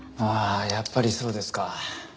ああやっぱりそうですか。